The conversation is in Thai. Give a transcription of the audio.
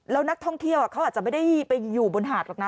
แล้วนักท่องเที่ยวเขาอาจจะไม่ได้ไปอยู่บนหาดหรอกนะ